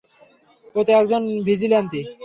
ও তো একজন ভিজিল্যান্তি।